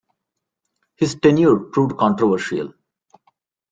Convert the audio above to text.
His tenure proved controversial.